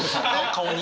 顔に？